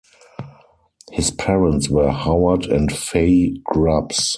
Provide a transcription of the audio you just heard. His parents were Howard and Faye Grubbs.